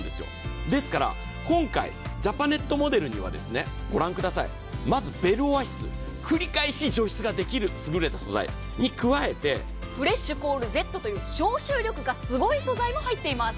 ですから、今回ジャパネットモデルには、まずベルオアシス、繰り返し除湿ができるフレッシュコールＺという消臭力がすごい素材も入っています。